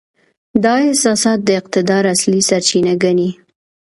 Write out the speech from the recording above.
دا احساسات د اقتدار اصلي سرچینه ګڼي.